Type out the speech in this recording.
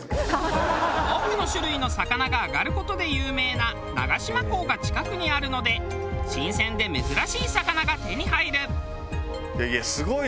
多くの種類の魚が揚がる事で有名な長島港が近くにあるので新鮮で珍しい魚が手に入る。